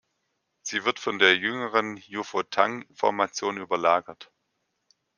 Sie wird von der jüngeren Jiufotang-Formation überlagert.